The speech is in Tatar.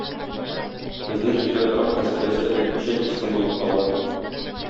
Безнең илдә торак мәсьәләсе элеккечә кискен булып кала.